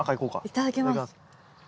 いただきます。